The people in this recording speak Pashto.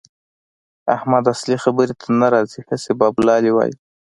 احمد اصلي خبرې ته نه راځي؛ هسې بابولالې وايي.